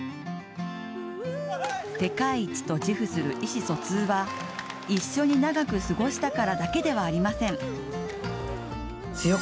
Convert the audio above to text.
世界一と自負する意思疎通は一緒に長く過ごしたからだけではありません。